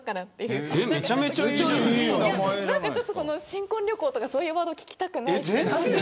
新婚旅行とかそういうワード聞きたくない。